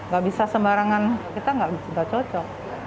gak bisa sembarangan kita nggak cocok